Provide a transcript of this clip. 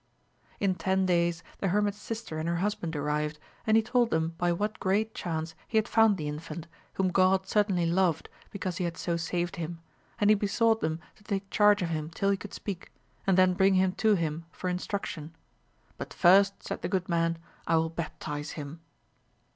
In ten days the hermit's sister and her husband arrived, and he told them by what great chance he had found the infant, whom God certainly loved because he had so saved him, and he besought them to take charge of him tili'he could speak, and then bring him to him for instruction j but first, said the good man, I will baptize him.